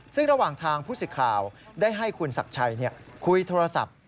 ซึ่งระหว่างทางผู้สิทธิ์ข่าวได้ให้คุณศักดิ์ชัยคุยโทรศัพท์